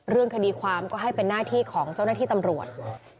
เรื่องคดีความก็ให้เป็นหน้าที่ของเจ้าหน้าที่ตำรวจ